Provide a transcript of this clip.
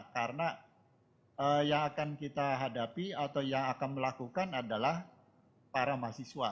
karena yang akan kita hadapi atau yang akan melakukan adalah para mahasiswa